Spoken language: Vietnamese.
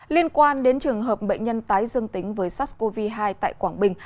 liên quan đến trường hợp bệnh nhân tái dương tính với sars cov hai tại quảng bình